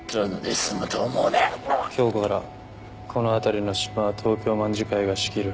今日からこの辺りのシマは東京卍會が仕切る。